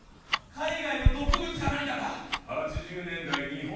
海外の毒物か何かか！？